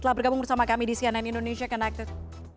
telah bergabung bersama kami di cnn indonesia connected